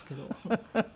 フフフフ！